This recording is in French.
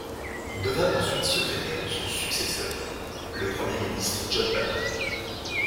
Il devint ensuite secrétaire de son successeur, le Premier ministre John Bannon.